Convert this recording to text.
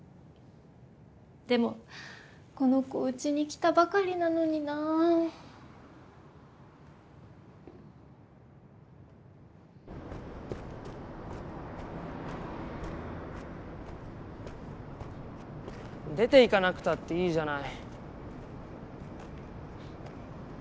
でもこの子うちに来たばかりなのにな。出ていかなくたっていいじゃない？